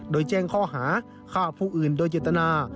โดยแจ้งข้อหาฆ่าผู้อื่นโดยเจตนา